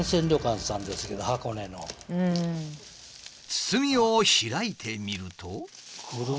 包みを開いてみると。